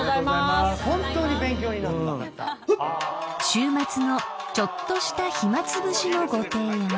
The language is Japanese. ［週末のちょっとした暇つぶしのご提案］